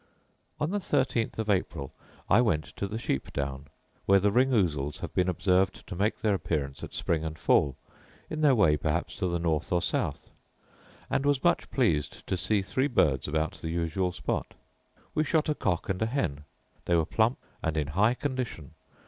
On the thirteenth of April I went to the sheep down, where the ring ousels have been observed to make their appearance at spring and fall, in their way perhaps to the north or south; and was much pleased to see three birds about the usual spot. We shot a cock and a hen; they were plump and in high condition.